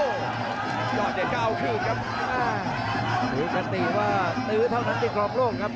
ยอดเดชน์กล่าวคลีกครับถือกันตีว่าตื้อเท่าน้ำจิตของโลกครับ